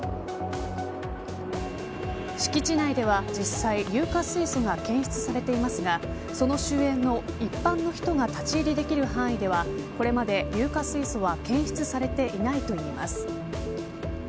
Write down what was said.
敷地内では実際硫化水素が検出されていますがその周辺の一般の人が立ち入りできる範囲ではこれまで、硫化水素は検出されていないといいます。